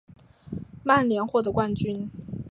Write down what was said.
曼联获得冠军。